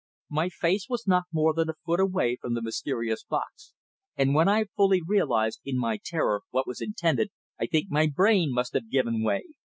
My face was not more than a foot away from the mysterious box, and when I fully realised, in my terror, what was intended, I think my brain must have given way.